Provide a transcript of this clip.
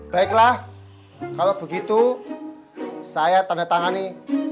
baiklah kalau begitu saya tandatangani